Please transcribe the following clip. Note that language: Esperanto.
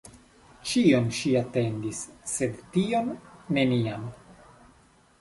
Ĉion ŝi atendis, sed tion — neniam.